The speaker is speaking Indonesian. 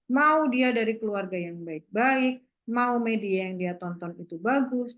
mau dia dari keluarga yang baik baik mau media yang dia tonton itu bagus